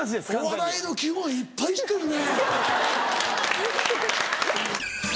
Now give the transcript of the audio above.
お笑いの基本いっぱい知ってるね。